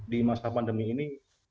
di masa pandemi ini